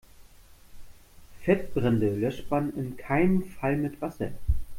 Fettbrände löscht man in keinem Fall mit Wasser.